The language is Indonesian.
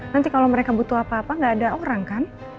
nanti kalau mereka butuh apa apa nggak ada orang kan